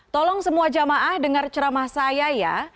tolong semua jamaah dengar ceramah saya ya